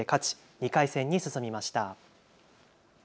２回戦に進みました。